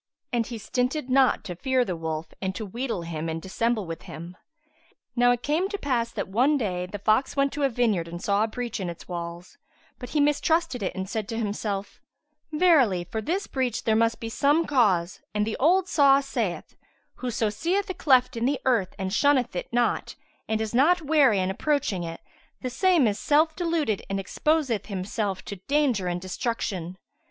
And he stinted not to fear the wolf and to wheedle him and dissemble with him. Now it came to pass that one day, the fox went to a vineyard and saw a breach in its walls; but he mistrusted it and said to himself, "Verily, for this breach there must be some cause and the old saw saith, 'Whoso seeth a cleft in the earth and shunneth it not and is not wary in approaching it, the same is self deluded and exposeth himself to danger and destruction.'